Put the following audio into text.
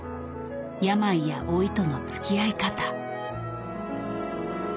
病や老いとのつきあい方。